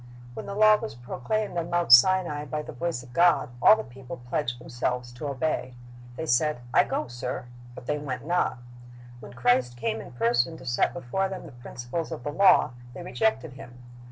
Wh^n the law was proclaimed on Mount Sinai by the voice of God, all the people pledged themselves to obey. They said, "I go, sir," but they went not. When Christ came in person to set before them the principles of the law, they rejected Him.